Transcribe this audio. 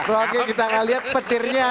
oke kita akan lihat petirnya